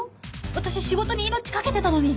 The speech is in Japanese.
私仕事に命懸けてたのに。